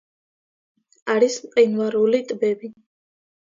არის მყინვარული ტბები.